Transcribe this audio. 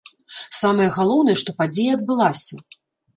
Самае галоўнае, што падзея адбылася.